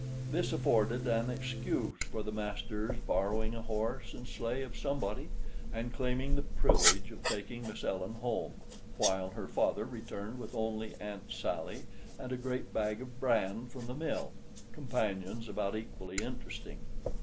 This afforded an excuse for the master's borrowing a horse and sleigh of somebody, and claiming the privilege of taking Miss Ellen home, while her father returned with only Aunt Sally and a great bag of bran from the mill—companions about equally interesting.